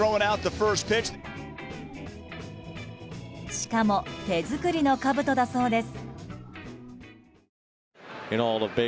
しかも手作りのかぶとだそうです。